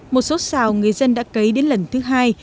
một số xào người dân đã cấy đến lần thứ hai